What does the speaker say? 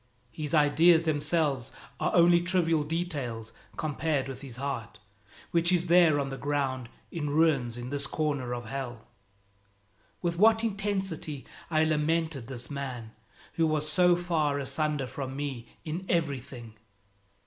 His ideas themselves are only trivial details compared with his heart which is there on the ground in ruins in this corner of Hell. With what intensity I lamented this man who was so far asunder from me in everything!